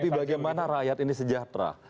tapi bagaimana rakyat ini sejahtera